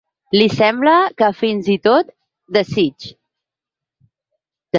Li sembla que fins i tot desig.